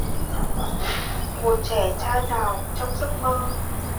Một trẻ trai nào, trong giấc mơ.